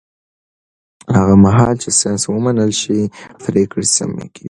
هغه مهال چې ساینس ومنل شي، پرېکړې سمې کېږي.